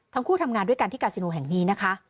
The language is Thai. ทั้งคู่ทำงานด้วยกันที่กาซิโนแห่งนี้นะคะ